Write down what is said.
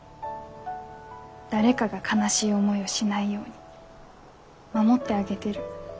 誰かが悲しい思いをしないように守ってあげてる。